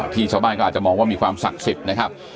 ชาวบ้านก็อาจจะมองว่ามีความศักดิ์สิทธิ์นะครับ